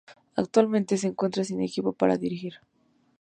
Actualmente se encuentra sin equipo para dirigir.